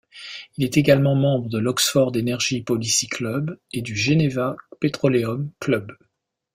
Il est également membre de l’Oxford Energy Policy Club et du Geneva Petroleum Club.